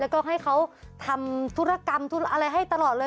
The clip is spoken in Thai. แล้วก็ให้เขาทำธุรกรรมธุระอะไรให้ตลอดเลย